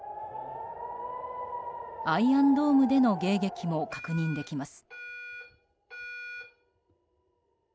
アイアンドームでの迎撃も確認できます。